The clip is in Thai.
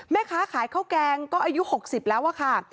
แม่ค้าขายข้าวแกงก็อายุ๖๐แล้วอะค่ะ